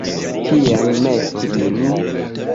Kien meti lin?